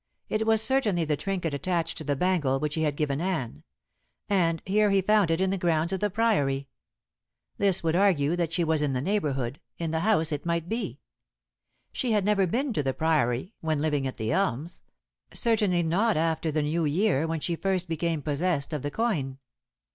It was certainly the trinket attached to the bangle which he had given Anne. And here he found it in the grounds of the Priory. This would argue that she was in the neighborhood, in the house it might be. She had never been to the Priory when living at The Elms, certainly not after the New Year, when she first became possessed of the coin.